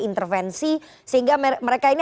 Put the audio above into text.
intervensi sehingga mereka ini